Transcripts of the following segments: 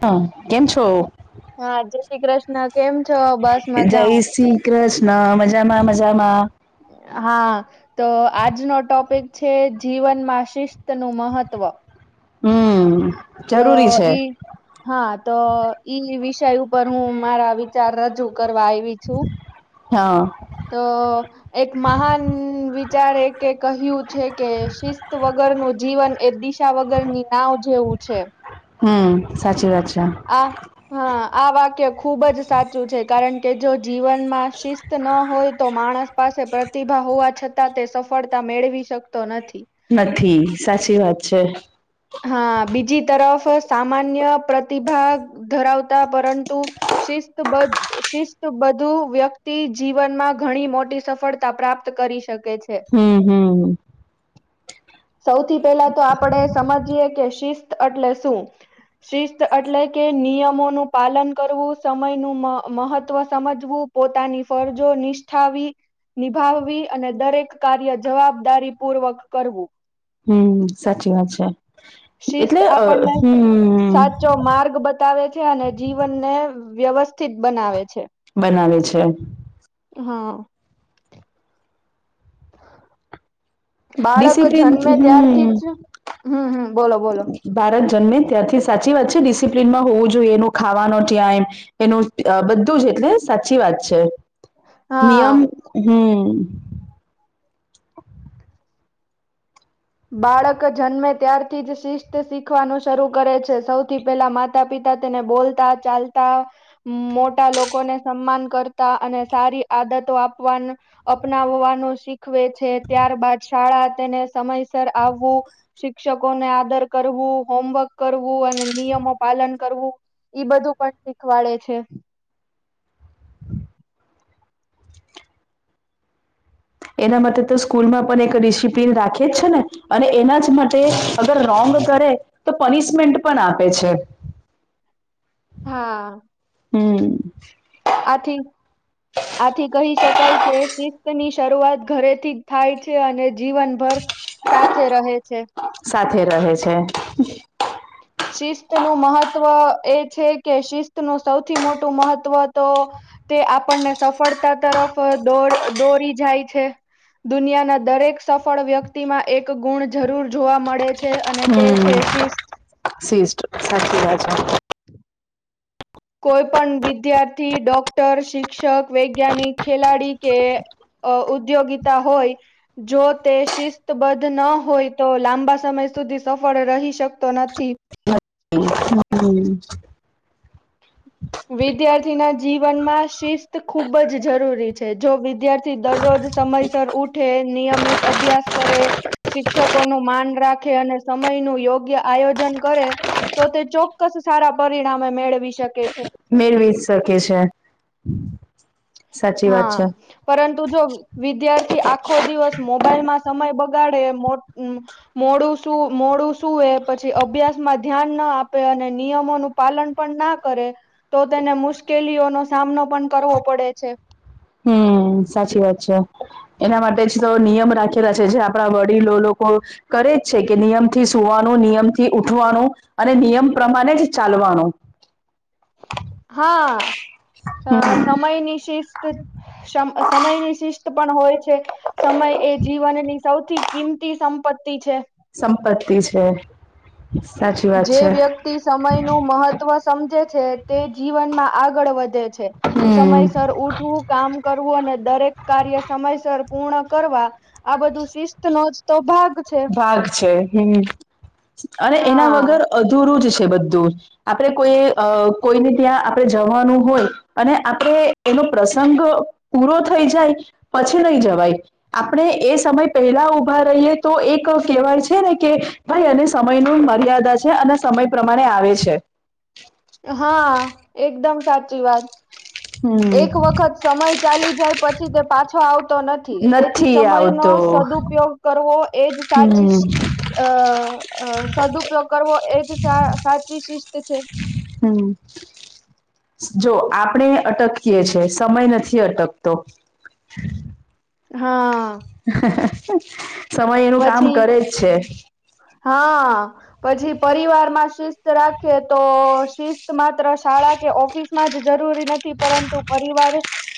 હા કેમ છો. હા જય શ્રી કૃષ્ણ કેમ છો બસ જય મજા હું. શ્રી કૃષ્ણ મજામાં મજામાં હા તો આજનો ટોપિક છે જીવનમાં શિસ્ત નું મહત્વ હમ તો જરૂરી છે. એ હા તો ઈ વિષય ઉપર હું મારા વિચાર રજૂ કરવા આવી છું. હા તો એક મહાન વિચાર એક કહ્યું છે કે શિસ્ત વગર નું જીવન એ દિશા [unintelligible] વગર ની નાવ જેવું છે હમ સાચી વાત છે. આ હા આ વાક્ય ખુબ જ સાચું છે કારણ કે જો જીવનમાં શિસ્ત-' ન હોય તો માણસ પાસે પ્રતિભા હોવા છતાં તે સફળતા મેળવી શકતો નથી. નથી સાચી વાત છે. હા બીજી તરફ સામાન્ય પ્રતિભા ધરાવતા પરંતુ શિસ્ત બધ શિસ્ત બધું વ્યક્તિ જીવનમાં ઘણી મોટી સફળતા પ્રાપ્ત કરી શકે છે. હુમ હમ સૌથી પહેલા તો આપણેે સમજીએ કે શિસ્ત એટલે શું-' શિસ્ત એટલે કે નિયમો નું પાલન કરવું સમય નું મહત્વ સમજવું પોતાની ફરજો નિષ્ઠાવી નિભાવવી અને દરેક કાર્ય જવાબદારી પૂર્વક કરવું. હમ સાચી વાત છે શિસ્ત એટલે અ આપણને હમ સાચો માર્ગ બતાવે છે અને જીવનને વ્યવસ્થિત બનાવે છે. બનાવે છે. હા બાળક ડિસિપ્લિન જન્મે ત્યારથી હમ જ હમ હમ બોલો બોલો ભારત જન્મે ત્યાંથી સાચી વાત છે ડિસિપ્લિનમાં હોવું જોઈએ એનું ખાવાનું ત્યાં ટાઈમ એનું બધું જ એટલે સાચી વાત છે. હા નિયમ હમ બાળક જન્મે ત્યારથી જ શિસ્ત શીખવાનું શરૂ કરે છે સૌથી પહેલા મા માતા પિતા તેને બોલતા ચાલતા મોટા લોકોને સન્માન કરતા અને સારી આદતો આપવાનું અપનાવવાનું શીખ શખવે છે ત્યાર બાદ શાળા તેને સમયસર આવવું શિક્ષકોને આદર કરવું હોમવર્ક કરવું અને નિયમો પાલન કરવું. ઈ બધું પણ શીખવાડે છે. એના માટે તો સ્કૂલમાં પણ એક ડિસિપ્લિન રાખી જ છે ને અને એના જ માટે અગર રોંગ કરે તો પનિશમેન્ટ પણ આપે છે. હા હમ. આથી. આથી કહી શકાય કે શિસ્ત ની શરૂઆત ઘરેથી થાય છે અને જીવનભર સાથે રહે છે. સાથે રહે છે શિસ્ત નું મહત્વ એ છે કે શિસ્ત નું સૌથી મોટું મહત્વ તો તે આપણને સફળતા તરફ દો દોરી જાય છે. દુનિયાના દરેક સફળ વ્યક્તિમાં એક ગુણ જરૂર જોવા મળે છે. અને તે છે હમ શિસ્ત. શીસ્ટ સાચી વાત છે. કોઈ પણ વિદ્યાર્થી ડોક્ટર શિક્ષક વૈજ્ઞાનિક ખેલાડી કે અ ઉદ્યોગિતા હોય જો તે શિસ્તબદ્ધ ન હોય તો લાંબા સમય સુધી સફળ રહી શકતો નથી. હમ. વિદ્યાર્થીના જીવનમાં શિસ્ત ખુબ જ જરૂરી છે. જો વિ વિદ્યાર્થી દરરોજ સમયસર ઉઠે નિયમિત અભ્યાસ કરે શિક્ષકોનું માન રાખે અને સમયનું યોગ્ય આયોજન કરે તો તે ચોક્કસ સારા પરિણામે મેળવી શકે છે. મેળવી શકે છે. સાચી વાત હા છે પરંતુ જો વિદ્યાર્થી આખો દિવસ મોબાઈલમાં સમય બગાડે મોડું શું મોડું શું એ પછી અભ્યાસ માં ધ્યાન ન આપે અને નિયમોનું- પાલન પણ ના કરે. તો તેને મુશ્કેલીઓનો સામનો પણ કરવો પડે છે. હમ સાચી વાત છે. એના માટે જ તો નિયમ રાખેલા છે જે આપણા વડીલો લોકો કરે જ છે કે નિયમથી સુવાનો નિયમથી ઉઠવાનો અને નિયમ પ્રમાણે જ ચાલવાનો હમ હા સમય નિશિષ્ટ સમ સમયની શિસ્ત પણ હોય છે. સમય એ જીવનની સૌથી કિંમતી સંપત્તિ છે. સંપત્તિ છે. સાચી વાત જે છે વ્યક્તિ સમયનું મહત્વ સમજે છે તે જીવનમાં આગળ વધે છે. હમ સમયસર ઉઠવું કામ કરવું અને દરેક કાર્ય સમયસર પૂર્ણ કરવા આ બધું શિસ્ત નો જ તો ભાગ છે. પાક છે. હમ અને એના હા વગર અધૂરું જ છે બધું આપણે કોઈ અ કોઈને ત્યાં આપણે જવાનું હોય અને આપણે એનો પ્રસંગ પૂરો થઈ જાય પછી નઈ જવાય આપણે એ સમય પહેલા ઊભા રહીએ તો એક કહેવાય છે ને કે ભાઈ સમય નું મર્યાદા છે અને સમય પ્રમાણે આવે છે. હા એકદમ સાચી વાત હમ એક વખત સમય ચાલી જાય પછી તે પાછો આવતો નથી. તેથી સમય નો સદુ ઉપયોગ કરવો એજ સાચી [unintelligible] અ અ સદુઉયોગ કરવો એજ સાચી શિસ્ત છે. હમ. જો આપણે અટકીએ છે સમય નથી અટકતો. હા. સમય એનું કામ પછી કરે જ છે. હા. પછી પરિવારમાં શિસ્ત રાખીએ તો શિસ્ત માત્ર શાળા કે ઓફિસ જરૂરી નથી પરંતુ પરિવાર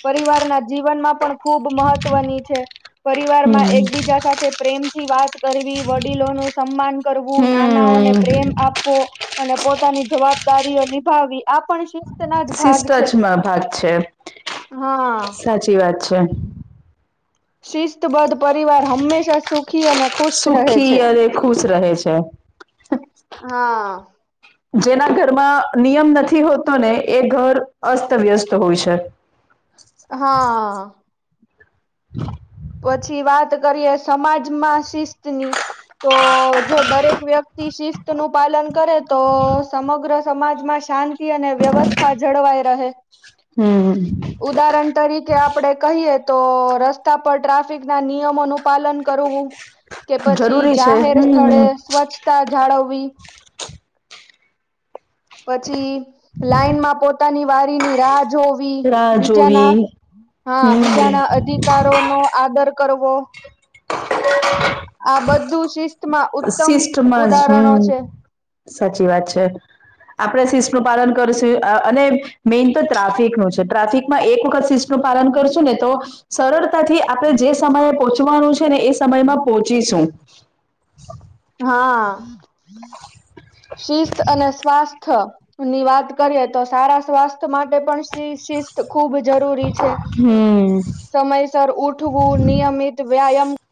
પરિવારના જીવનમાં પણ ખુબ મહત્વની છે. પરિવારમાં હમ. એકબીજા સાથે પ્રેમથી વાત કરવી વડીલોનું સન્માન કરવું નાનાઓને હમ પ્રેમ આપવો અને પોતાની જવાબદારીઓ નિભાવી આ પણ શિસ્તના જ ભાગ છે ટચમાં ભાગ છે. હા. [unintelligible] વાત છે. શિસ્તબદ્ધ પરિવાર હંમેશા સુખી અને ખુશ રહે. છે ખીયરે એ ખુશ રહે છે. હા. જેના ઘરમાં નિયમ નથી હોતો ને એ ઘર અસ્તવ્યસ્ત હોય છે. હા. [unintelligible] પછી વાત કરીએ સમાજમાં શિસ્ત ની તો જો દરેક વ્યક્તિ શિસ્ત નું પાલન કરે તો સમગ્ર સમાજમાં શાંતિ અને વ્યવસ્થા જળવાઈ રહે. હમ. ઉદાહરણ તરીકે આપણે કહીએ તો રસ્તા પર ટ્રાફિકના નિયમોનું પાલન કરવું કે પછી જરૂરી છે જાહેર સ્થળે હમ સ્વચ્છતા જાળવવી પછી લાઈનમાં પોતાની વારીની રાહ જો રાહ બીજા જોવી. હા હમ. બીજાના અધિકારો આદર કરવો આ બધું શિસ્ત ઉત્તમ શિસ્ટમાં જ ઉદાહરણો હમ. છે. સાચી વાત છે. આપણેે શિશ નું પાલન કરુંશું અને મેઈન તો ટ્રાફિક ન છે ટ્રાફિકમાં એક વખત સિસ્ટ નનું પાલન કરશું ને તો સરળતાથી આપણે જે સમયે પહોંચવાનું છે ને એ સમયમાં પોહોંચીશું. [inaudible] હા શિસ્ત અને સ્વાસ્થ ની વાત કરીએ તો સારા સ્વાસ્થ્ય માટે પણ ખુબ જરૂરી છે હમ સમયસર ઉઠવું નિયમિત વ્યાયામ